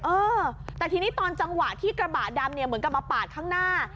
เออแต่ทีนี้ตอนจังหวะที่กระบะดำเนี่ยเหมือนกับมาปาดข้างหน้า